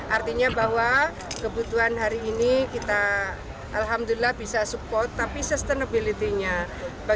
artinya bahwa kebutuhan hari ini kita alhamdulillah bisa support tapi sustainability nya